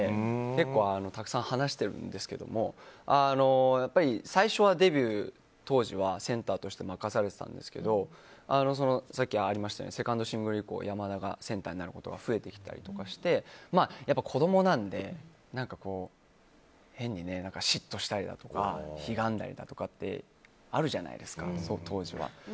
結構たくさん話してるんですけど最初、デビュー当時はセンターとして任されていたんですけどさっきありましたようにセカンドシングル以降、山田がセンターになることが増えてきたりして子供なんで変に嫉妬したりだとかひがんだりとかあるじゃないですか、当時は。